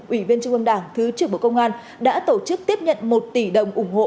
ủy viên trung ương đảng thứ trưởng bộ công an đã tổ chức tiếp nhận một tỷ đồng ủng hộ